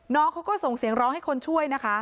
น้องเขาก็ส่งเสียงร้องให้คนช่วยนะคะ